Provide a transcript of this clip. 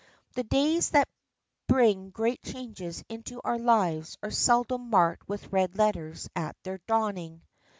The days that bring great changes into our lives are seldom marked with red letters at their dawning.